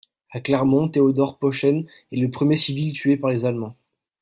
À Clermont, Théodore Pauchenne est le premier civil tué par les Allemands.